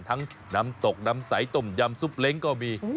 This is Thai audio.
ทั้งน้ำตกน้ำสายต้มยำซุปเล้งก็มี